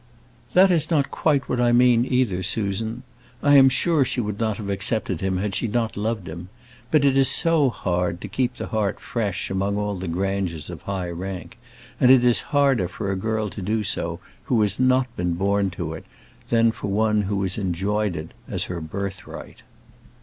"That is not quite what I mean either, Susan. I am sure she would not have accepted him had she not loved him. But it is so hard to keep the heart fresh among all the grandeurs of high rank; and it is harder for a girl to do so who has not been born to it, than for one who has enjoyed it as her birthright."